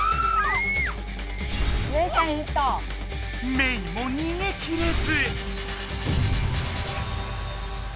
メイも逃げ切れず。